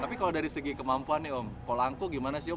tapi kalau dari segi kemampuan nih om kolangku gimana sih om